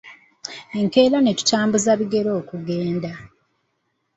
Enkeera ne tutambuza bigere okugenda.